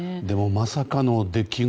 まさかの出来事